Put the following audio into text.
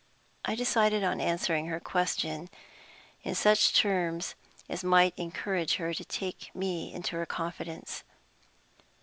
I decided on answering her question in such terms as might encourage her to take me into her confidence.